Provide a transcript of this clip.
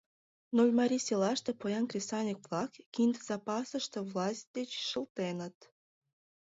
Нольмарий селаште поян кресаньык-влак кинде запасыште власть деч шылтеныт.